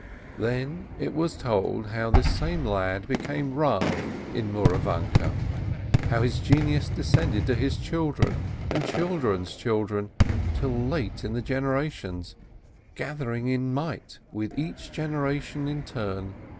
Then it was told how this same lad became Rav in Mouravanke, how his genius descended to his children and children's children, till late in the generations, gathering in might with each generation in turn.